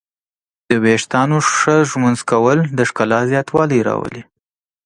د ویښتانو ښه ږمنځول د ښکلا زیاتوالی راولي.